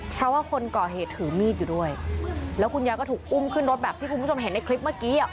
เพราะว่าคนก่อเหตุถือมีดอยู่ด้วยแล้วคุณยายก็ถูกอุ้มขึ้นรถแบบที่คุณผู้ชมเห็นในคลิปเมื่อกี้อ่ะ